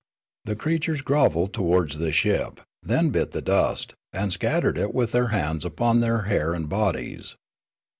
The creatures grovelled towards the ship, then bit the dust, and scattered it with their hands upon their hair and bodies.